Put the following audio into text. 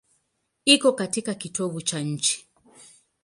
Iko katika kitovu cha nchi.